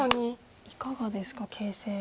いかがですか形勢。